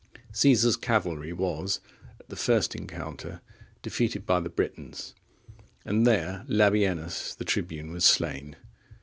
Caesar's cavalry was, at the first encounter, defeated by the Britons, and there Labienus, the tribune, was slain.